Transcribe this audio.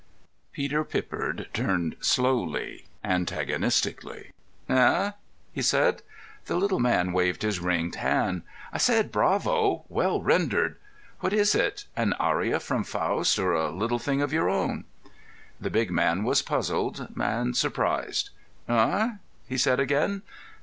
Peter Pippard turned slowly, antagonistically. "Eh?" he said. The little man waved his ringed hand. "I said 'Bravo'—well rendered. What is it? An aria from Faust, or a little thing of your own?" The big man was puzzled and surprised. "Eh?" he said again.